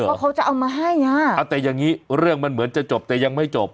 ว่าเขาจะเอามาให้อ่ะเอาแต่อย่างงี้เรื่องมันเหมือนจะจบแต่ยังไม่จบ